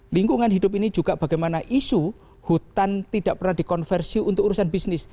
lingkungan hidup ini juga bagaimana isu hutan tidak pernah dikonversi untuk urusan bisnis